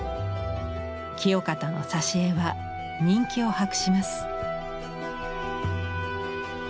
清方の挿絵は人気を博します。